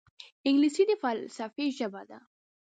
انګلیسي د فلسفې ژبه ده